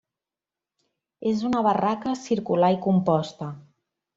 És una barraca circular i composta.